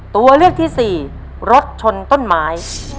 ตัวเลือกที่๓มดแดงแสงมะม่วง